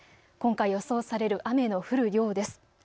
今回予想される雨の降る量です。